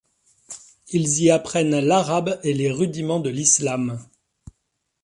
Ils y apprennent l'arabe et les rudiments de l'islam.